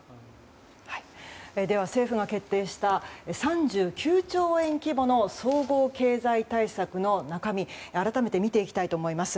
では政府が決定した３９兆円規模の総合経済対策の中身改めて見ていきたいと思います。